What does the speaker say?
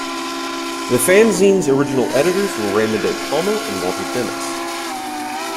The fanzine's original editors were Raymond A. Palmer and Walter Dennis.